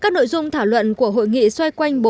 các nội dung thảo luận của hội nghị xoay quanh